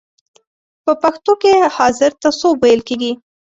په پښتو کې حاضر ته سوب ویل کیږی.